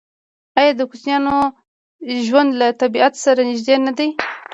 آیا د کوچیانو ژوند له طبیعت سره نږدې نه دی؟